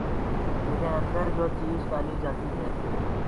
لیکن اندر جو چیز ڈالی جاتی ہے۔